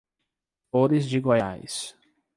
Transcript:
Flores de Goiás